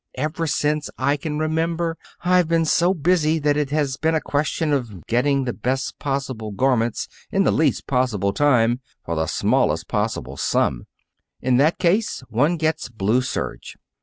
Ever since I can remember, I've been so busy that it has been a question of getting the best possible garments in the least possible time for the smallest possible sum. In that case, one gets blue serge.